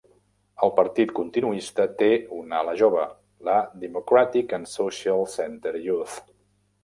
El partit continuista té una ala jove, la Democratic and Social Center Youth.